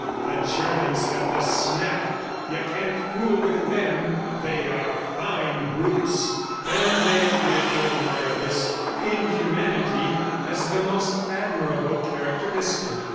"The Germans have the snap! You can't fool with them! They are fine brutes!" And they appeared to admire this inhumanity as the most admirable characteristic.